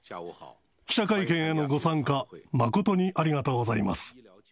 記者会見へのご参加、誠にありがとうございます。